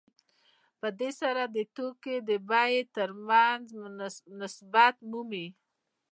په دې سره د توکو د بیې ترمنځ نسبت مومي